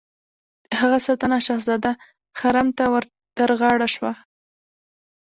د هغه ساتنه شهزاده خرم ته ور تر غاړه شوه.